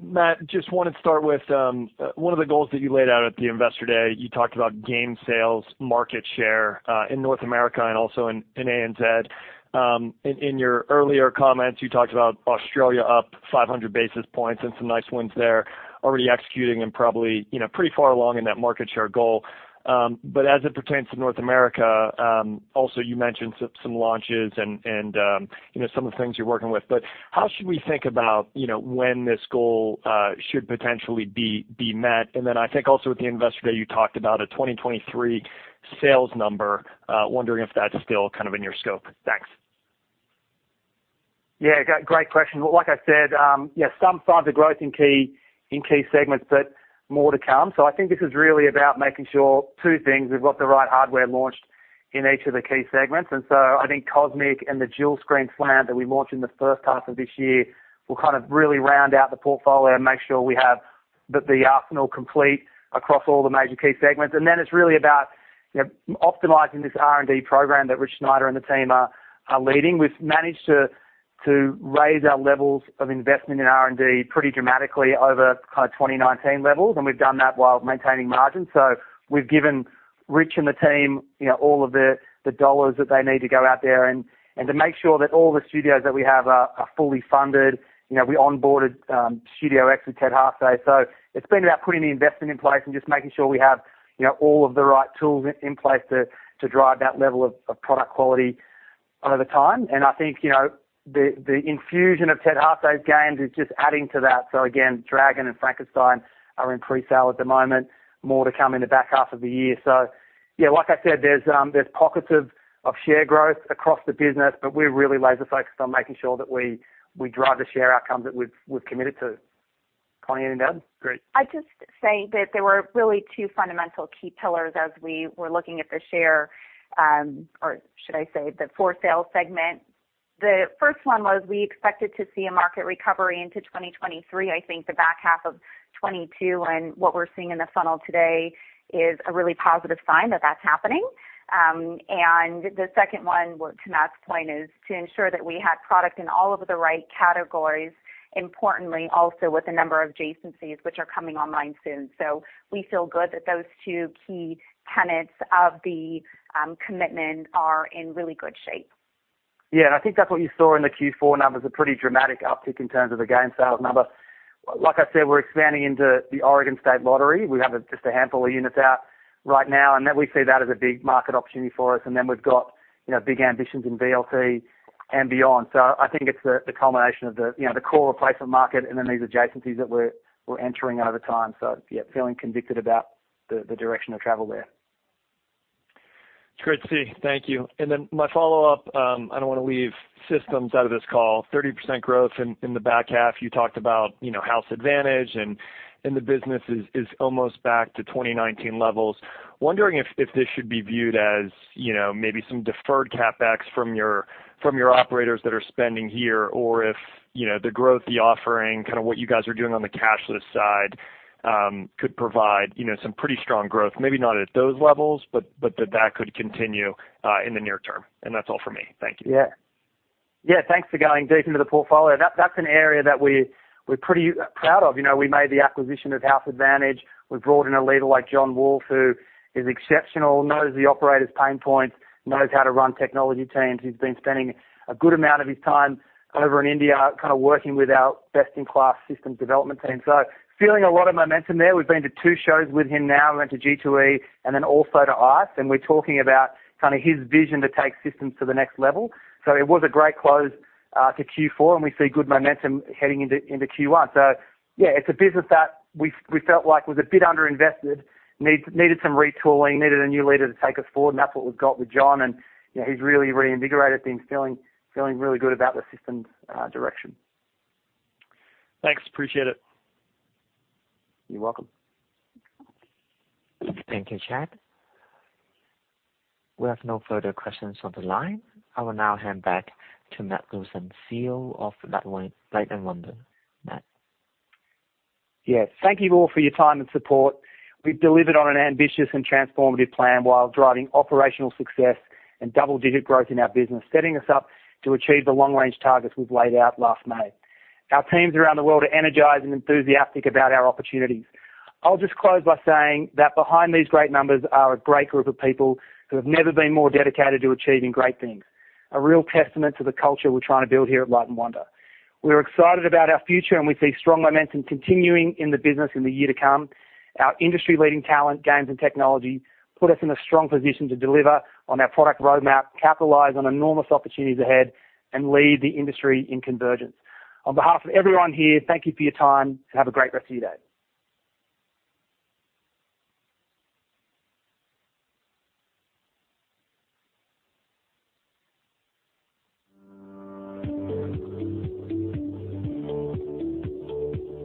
Matt, just wanna start with one of the goals that you laid out at the Investor Day. You talked Game Sales, market share in North America and also in ANZ. In your earlier comments, you talked about Australia up 500 basis points and some nice wins there, already executing and probably, you know, pretty far along in that market share goal. As it pertains to North America, also, you mentioned some launches and, you know, some of the things you're working with. How should we think about, you know, when this goal should potentially be met? I think also at the Investor Day, you talked about a 2023 sales number. Wondering if that's still kind of in your scope. Thanks. Great question. Well, like I said, some signs of growth in key segments, more to come. I think this is really about making sure two things: we've got the right hardware launched in each of the key segments. I think COSMIC and the Dual Screen Slant that we launched in the first half of this year will kind of really round out the portfolio and make sure we have the arsenal complete across all the major key segments. It's really about, you know, optimizing this R&D program that Rich Schneider and the team are leading. We've managed to raise our levels of investment in R&D pretty dramatically over 2019 levels, we've done that while maintaining margins. We've given Rich and the team, you know, all of the dollars that they need to go out there and to make sure that all the studios that we have are fully funded. You know, we onboarded Studio X with Ted Hase. It's been about putting the investment in place and just making sure we have, you know, all of the right tools in place to drive that level of product quality over time. I think, you know, the infusion of Ted Hase's games is just adding to that. Again, DRAGON and FRANKENSTEIN are in presale at the moment. More to come in the back half of the year. Yeah, like I said, there's pockets of share growth across the business, but we're really laser-focused on making sure that we drive the share outcome that we've committed to. Connie, anything to add? Great. I'd just say that there were really two fundamental key pillars as we were looking at the share, or should I say, the four sales segment. The first one was we expected to see a market recovery into 2023, I think the back half of 2022. What we're seeing in the funnel today is a really positive sign that that's happening. The second one, to Matt's point, is to ensure that we had product in all of the right categories, importantly also with a number of adjacencies which are coming online soon. We feel good that those two key tenets of the commitment are in really good shape. Yeah, I think that's what you saw in the Q4 numbers, a pretty dramatic uptick in terms of Game Sales number. Like I said, we're expanding into the Oregon Lottery. We have just a handful of units out right now, and that we see that as a big market opportunity for us. Then we've got, you know, big ambitions in VLT and beyond. I think it's the culmination of the, you know, the core replacement market and then these adjacencies that we're entering over time. Yeah, feeling convicted about the direction of travel there. It's great to see. Thank you. My follow-up, I don't wanna leave systems out of this call. 30% growth in the back half. You talked about, you know, House Advantage and the business is almost back to 2019 levels. Wondering if this should be viewed as, you know, maybe some deferred CapEx from your operators that are spending here, or if, you know, the growth, the offering, kinda what you guys are doing on the cashless side, could provide, you know, some pretty strong growth. Maybe not at those levels, but that could continue in the near term. That's all for me. Thank you. Yeah. Yeah, thanks for going deep into the portfolio. That, that's an area that we're pretty proud of. You know, we made the acquisition of House Advantage. We brought in a leader like Jon Wolfe, who is exceptional, knows the operator's pain points, knows how to run technology teams. He's been spending a good amount of his time over in India, kinda working with our best-in-class system development team. Feeling a lot of momentum there. We've been to two shows with him now. We went to G2E and then also to ICE, and we're talking about kinda his vision to take systems to the next level. It was a great close to Q4, and we see good momentum heading into Q1. Yeah, it's a business that we felt like was a bit underinvested, needed some retooling, needed a new leader to take us forward, and that's what we've got with Jon. You know, he's really reinvigorated things, feeling really good about the systems direction. Thanks. Appreciate it. You're welcome. Thank you, Chad. We have no further questions on the line. I will now hand back to Matt Wilson, CEO of Light & Wonder. Matt. Yes. Thank you all for your time and support. We've delivered on an ambitious and transformative plan while driving operational success and double-digit growth in our business, setting us up to achieve the long-range targets we've laid out last May. Our teams around the world are energized and enthusiastic about our opportunities. I'll just close by saying that behind these great numbers are a great group of people who have never been more dedicated to achieving great things, a real testament to the culture we're trying to build here at Light & Wonder. We're excited about our future, and we see strong momentum continuing in the business in the year to come. Our industry-leading talent, games, and technology put us in a strong position to deliver on our product roadmap, capitalize on enormous opportunities ahead, and lead the industry in convergence. On behalf of everyone here, thank you for your time, and have a great rest of your day.